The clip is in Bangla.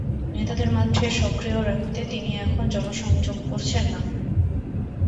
নেতাদের মাঠে সক্রিয় রাখতে তিনি এখন জনসংযোগ করছেন না।